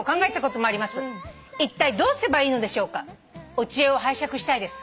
「お知恵を拝借したいです」